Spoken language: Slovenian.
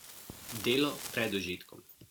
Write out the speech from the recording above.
Delo pred užitkom.